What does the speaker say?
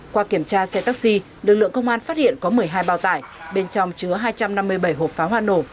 qua kiểm tra xe taxi lực lượng công an phát hiện có một mươi hai bao tải bên trong chứa hai trăm năm mươi bảy hộp pháo hoa nổ